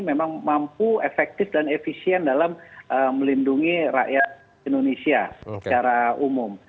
memang mampu efektif dan efisien dalam melindungi rakyat indonesia secara umum